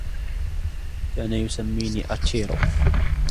كان يسميني اتشيرو.